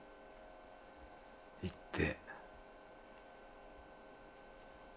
行って。